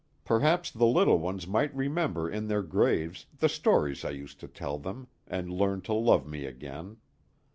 Perhaps the little ones might remember in their graves the stories I used to tell them, and learn to love me again.